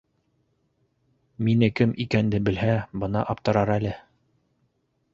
—Минең кем икәнде белһә, бына аптырар әле!